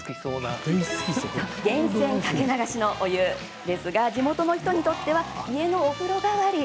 源泉かけ流しのお湯ですが地元の人にとっては家のお風呂代わり。